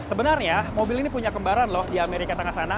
sebenarnya mobil ini punya kembaran loh di amerika tengah sana